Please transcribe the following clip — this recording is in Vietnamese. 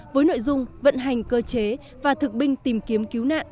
với nội dung vận hành cơ chế và thực binh tìm kiếm cứu nạn